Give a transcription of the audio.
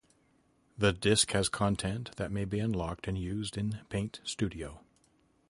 The disk has content that may be unlocked and used in "Paint Studio".